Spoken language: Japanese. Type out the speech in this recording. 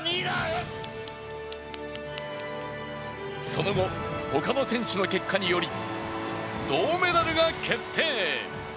その後、他の選手の結果により銅メダルが決定。